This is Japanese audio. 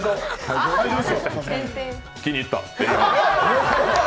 気に入った！